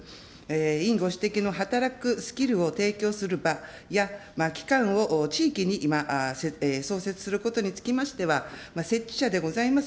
委員ご指摘の働くスキルを提供する場や、機関を地域に今、創設することにつきましては、設置者でございます